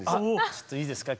ちょっといいですか？